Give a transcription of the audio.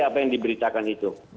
apa yang diberitakan itu